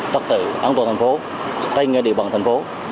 trật tự an toàn thành phố